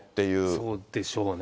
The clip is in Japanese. そうでしょうね。